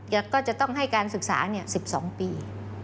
แล้วก็จะต้องให้การศึกษา๑๒ปี